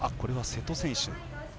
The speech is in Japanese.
瀬戸選手